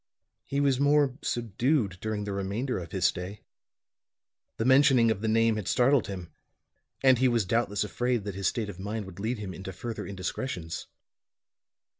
He was more subdued during the remainder of his stay; the mentioning of the name had startled him, and he was doubtless afraid that his state of mind would lead him into further indiscretions.